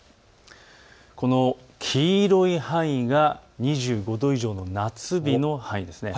この黄色い範囲が２５度以上の夏日の範囲です。